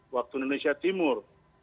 waktu indonesia timur